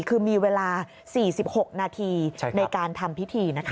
คือมีเวลา๔๖นาทีในการทำพิธีนะคะ